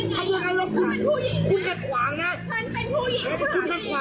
คุณหลังกายฉันจะได้บอก